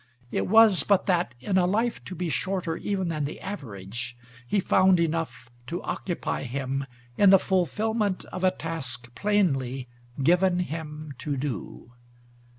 It was but that, in a life to be shorter even than the average, he found enough to occupy him in the fulfilment of a task, plainly "given him to do."